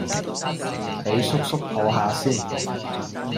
俾叔叔抱吓先